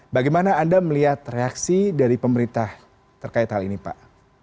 bagaimana anda melihat reaksi dari pemerintah terkait hal ini pak